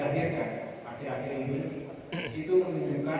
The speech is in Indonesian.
dan dari beberapa pergum yang dilahirkan